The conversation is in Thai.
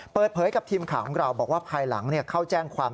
เปิดเผยกับทีมข่าวของเราบอกว่าภายหลังเข้าแจ้งความ